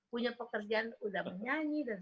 punya pekerjaan udah menyanyi dan